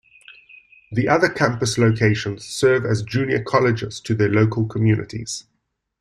The other campus locations serve as junior colleges to their local communities.